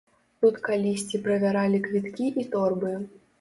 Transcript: Тут калісьці правяралі квіткі і торбы!